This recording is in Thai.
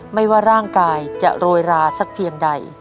ไม่ว่าร่างกายจะโรยราสักเพียงใด